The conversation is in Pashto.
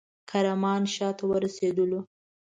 کرمانشاه ته ورسېدلو.